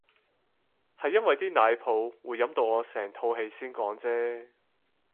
係因為啲奶泡會飲到我成肚氣先講啫